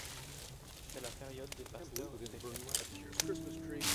C'est la période des pasteurs des plateaux.